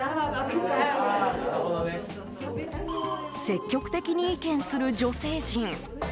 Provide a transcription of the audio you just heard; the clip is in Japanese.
積極的に意見する女性陣。